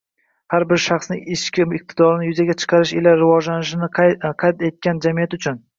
har bir shaxsning ichki iqtidorini yuzaga chiqarish ila rivojlanishni qasd qilgan jamiyatlar uchun